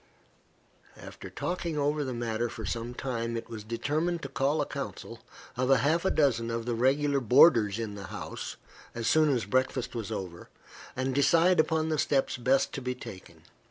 After talking over the matter for some time, it was determined to call a council of half a dozen of the regular boarders in the house, as soon as breakfast was over, and decide upon the steps best to be taken.